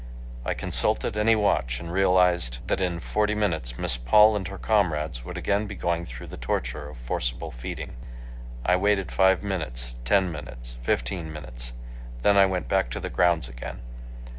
I consulted any watch and realized that in forty minutes Miss Paul and her comrades would again be going through the torture of forcible feeding. I waited five minutes—ten minutes—fifteen minutes. Then I went back to the grounds again.